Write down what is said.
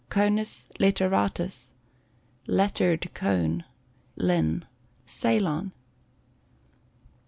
Conus Litteratus. Lettered Cone. Linn. Ceylon.